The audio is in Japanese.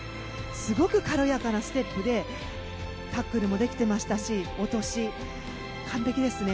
すごく軽やかなステップでタックルもできていましたし落とし、完璧ですね。